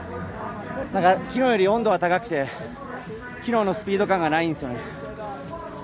昨日より温度が高くて昨日のスピード感がないんですよね。